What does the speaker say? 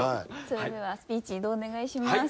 それではスピーチ移動をお願いします。